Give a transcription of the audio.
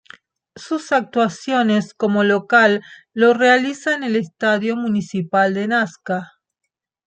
Sus actuaciones como local lo realiza en el Estadio Municipal de Nasca.